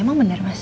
emang bener mas